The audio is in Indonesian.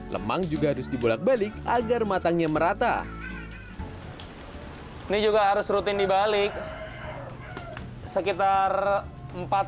lemang juga harus dibolak balik agar matangnya merata ini juga harus rutin dibalik sekitar empat